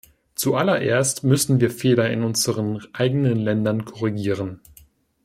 Zuallererst müssen wir Fehler in unseren eigenen Ländern korrigieren.